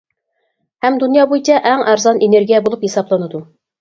ھەم دۇنيا بويىچە ئەڭ ئەرزان ئېنېرگىيە بولۇپ ھېسابلىنىدۇ.